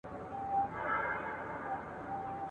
لاعجبه بې انصافه انسانان دي !.